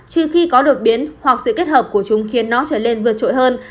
chỉ khi có đột biến hoặc sự kết hợp của chúng khiến nó trở nên vượt trội hơn